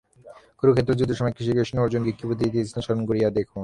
কুরুক্ষেত্রের যুদ্ধের সময় শ্রীকৃষ্ণ অর্জুনকে কী উপদেশ দিয়াছিলেন স্মরণ করিয়া দেখুন।